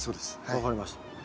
分かりました。